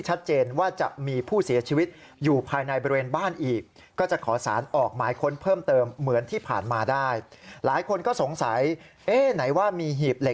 ไหนว่ามีหีบเหล็กอีกหีบไง